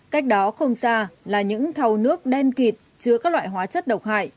cách đó không xa là những thào nước đen kịt chứa các loại hóa chất độc hại